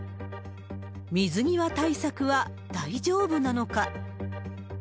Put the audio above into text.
水際対策は大丈夫なのか。